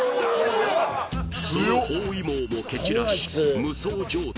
その包囲網も蹴散らし無双状態